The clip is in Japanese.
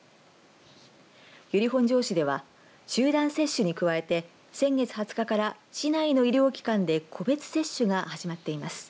由利本荘市では集団接種に加えて先月２０日から市内の医療機関で個別接種が始まっています。